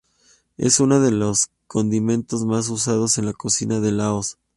Es una de los condimentos más usados en la cocina de Laos.